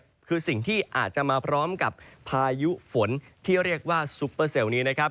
ก็คือสิ่งที่อาจจะมาพร้อมกับพายุฝนที่เรียกว่าซุปเปอร์เซลล์นี้นะครับ